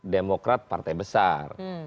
demokrat partai besar